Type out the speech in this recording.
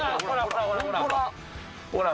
ほら！